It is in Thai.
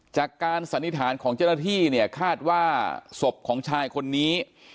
สันนิษฐานของเจ้าหน้าที่เนี่ยคาดว่าศพของชายคนนี้